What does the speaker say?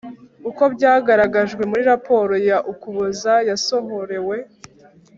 uko byagaragajwe muri raporo ya ukuboza yasohorewe